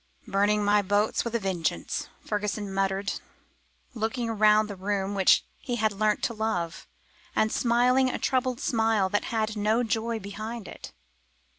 "Burning my boats with a vengeance," Fergusson muttered, looking round the room which he had learnt to love, and smiling a troubled smile that had no joy behind it.